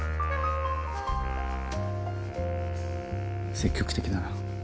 積極的だな。